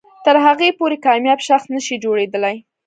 تر هغې پورې کامیاب شخص نه شئ جوړېدلی.